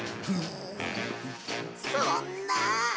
そんな。